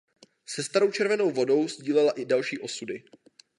Se Starou Červenou Vodou sdílela i další osudy.